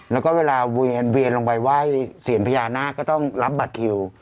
แล้วก็เวลาเวียนลงไปไหว้เซียนพญานาคก็ต้องรับบัตรคิว